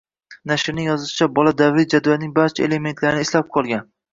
Nashrning yozishicha, bola davriy jadvalning barcha elementlarini eslab qolgan.